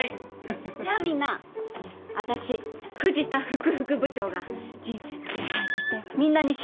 じゃあみんなあたし藤田副々部長が人生の先輩としてみんなに指導してあげよう。